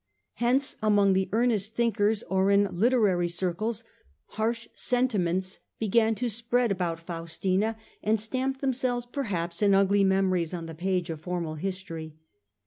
Hence among the earnest thinkers, or in literary circles, harsh sentiments began to spread about Faustina, and stamped themselves perhaps in ugly memories on the page of formal history.